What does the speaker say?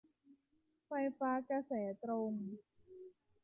ไฟฟ้ากระแสตรง